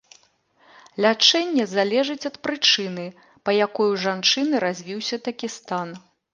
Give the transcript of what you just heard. Лячэнне залежыць ад прычыны, па якой у жанчыны развіўся такі стан.